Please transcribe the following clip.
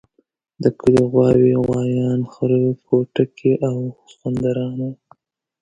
د کلي غواوې، غوایان، خره کوټکي او سخوندران وو.